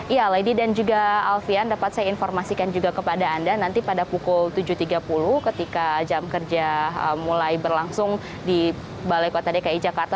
ya lady dan juga alfian dapat saya informasikan juga kepada anda nanti pada pukul tujuh tiga puluh ketika jam kerja mulai berlangsung di balai kota dki jakarta